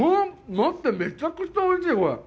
待って、めちゃくちゃおいしい。